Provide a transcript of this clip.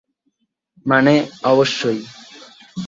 মানে, অবশ্যই।